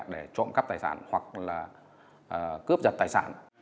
để trộm cắp tài sản hoặc là cướp giật tài sản